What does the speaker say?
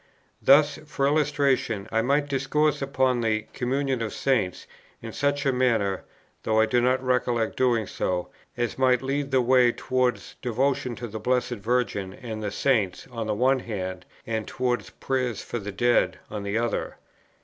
Thus, for illustration, I might discourse upon the "Communion of Saints" in such a manner, (though I do not recollect doing so,) as might lead the way towards devotion to the Blessed Virgin and the Saints on the one hand, and towards prayers for the dead on the other.